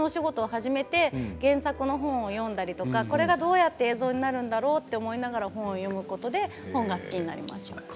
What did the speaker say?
初めて原作の本を読んだりとかこれがどうやって映像になるんだろうと思いながら本を読むことで本が好きになりました。